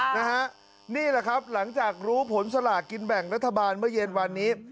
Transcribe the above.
นี่แหละครับหลังจากรู้ผลสลากินแบ่งรัฐบาลเมื่อเย็นวันนี้